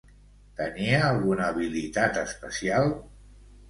Tenia alguna habilitat especial?